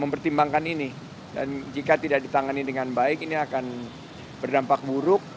mempertimbangkan ini dan jika tidak ditangani dengan baik ini akan berdampak buruk